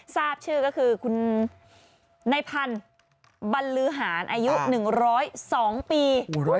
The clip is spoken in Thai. ทราบชื่อก็คือคุณในพันธุ์บรรลือหารอายุ๑๐๒ปี